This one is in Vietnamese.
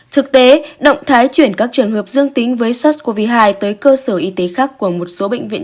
thực tế động thái chuyển các trường hợp dương tính với sars cov hai tới cơ sở y tế khác của một số bệnh viện